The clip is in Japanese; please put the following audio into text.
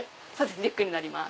リュックになります。